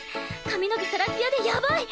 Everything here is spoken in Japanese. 髪の毛サラツヤでやばい！